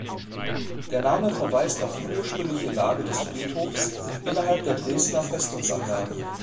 Der Name verweist auf die ursprüngliche Lage des Friedhofs innerhalb der Dresdner Festungsanlagen.